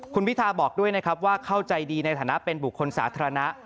คุณพิทาบอกด้วยนะครับว่าเข้าใจดีในฐานะเป็นบุคคลสาธารณะ